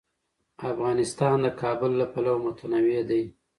افغانستان د کابل له پلوه متنوع دی.